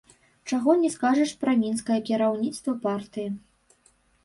Чаго не скажаш пра мінскае кіраўніцтва партыі.